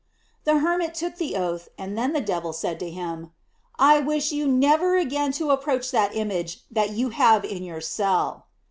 The hermit took the oath, and then the devil said to him: UI wish you never again to approach that image that you have in your cell."